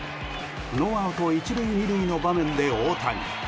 ノーアウト１塁２塁の場面で大谷。